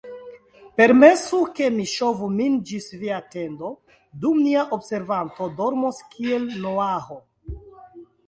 Permesu, ke mi ŝovu min ĝis via tendo, dum nia observanto dormos kiel Noaho.